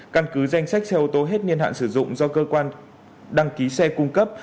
căn cứ danh sách xe ô tô hết niên hạn sử dụng do cơ quan đăng ký xe cung cấp